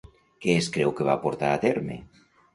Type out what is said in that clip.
Què es creu que va portar a terme?